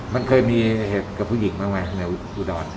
มันเคยมีเหตุกับผู้หญิงบ้างไหมในอุดร